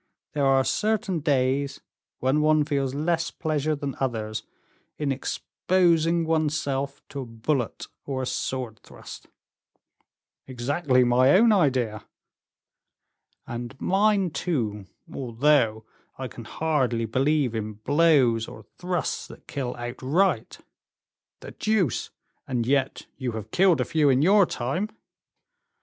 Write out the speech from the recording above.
There are certain days when one feels less pleasure than others in exposing one's self to a bullet or a sword thrust." "Exactly my own idea." "And mine, too, although I can hardly believe in blows or thrusts that kill outright." "The deuce! and yet you have killed a few in your time."